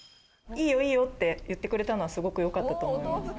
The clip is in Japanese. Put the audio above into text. いいよ、いいよ！って言ってくれたのは、すごくよかったと思います。